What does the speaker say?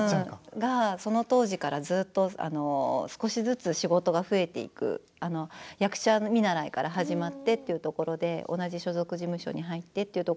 その当時から少しずつ仕事が増えて役者見習いから始まってというところでこんな同じ所属事務所に入ってくるの。